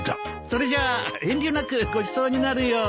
それじゃあ遠慮なくごちそうになるよ。